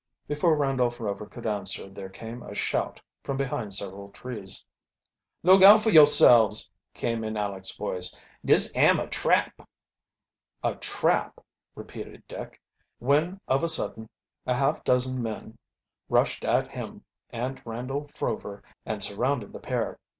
Before Randolph Rover could answer there came a shout from behind several trees. "Look out fo' yourselves!" came in Aleck's voice. "Dis am a trap!" "A trap!" repeated Dick, when of a sudden a half dozen men rushed at him and Randolph Rover and surrounded the pair.